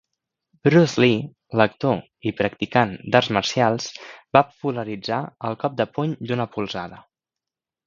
Bruce Lee, l'actor i practicant d'arts marcials, va popularitzar el cop de puny d'una polzada.